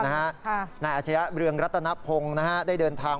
อาชญะเรืองรัตนพงศ์ได้เดินทาง